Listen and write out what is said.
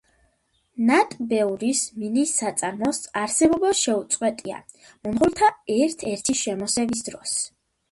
ნატბეურის მინის საწარმოს არსებობა შეუწყვეტია მონღოლთა ერთ-ერთი შემოსევის დროს.